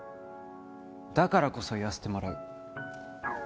だからこそ言わせてもらう。